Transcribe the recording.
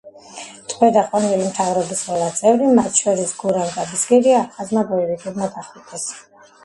ტყვედ აყვანილი მთავრობის ყველა წევრი, მათ შორის გურამ გაბესკირია, აფხაზმა ბოევიკებმა დახვრიტეს.